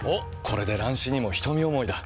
これで乱視にも瞳思いだ。